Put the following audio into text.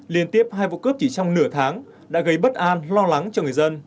liên tiếp hai vụ cướp chỉ trong nửa tháng đã gây bất an lo lắng cho người dân